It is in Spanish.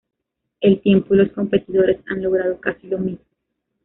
El tiempo y los competidores han logrado casi lo mismo.